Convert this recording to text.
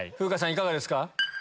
いかがですか？